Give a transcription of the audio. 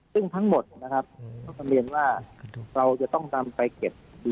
ซึ่งทั้งหมดนะครับก็สมมุติว่าเราจะต้องตามไปเก็บ